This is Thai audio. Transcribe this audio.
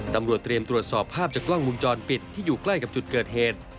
ตำรวจเตรียมตรวจสอบภาพจากกล้องมุมจรปิดที่อยู่ใกล้กับจุดเกิดเหตุ